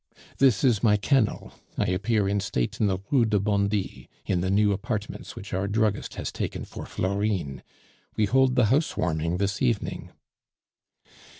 "This is my kennel; I appear in state in the Rue de Bondy, in the new apartments which our druggist has taken for Florine; we hold the house warming this evening."